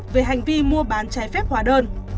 về hành vi mua bán trái phép hòa đơn